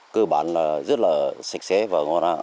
cơ bản là rất là sạch sẽ và ngọt ngàng